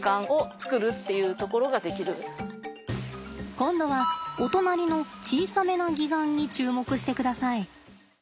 今度はお隣の小さめな擬岩に注目してください。